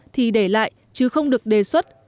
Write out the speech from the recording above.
thì để lại chứ không được đề xuất